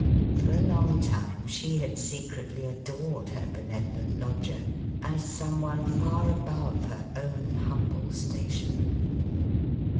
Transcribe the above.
For a long time she had secretly adored her benevolent lodger, as some one far above her own humble station.